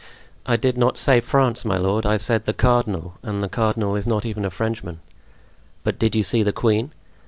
"I did not say France, my lord; I said the cardinal, and the cardinal is not even a Frenchman." "But did you see the queen?"